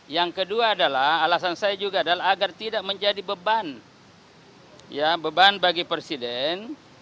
yang kedua adalah alasan saya juga adalah agar tidak menjadi beban bagi presiden